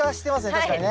確かにね。